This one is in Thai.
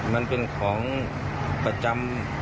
มันเป็นของประจำ